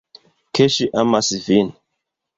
Ke ŝi amas vin.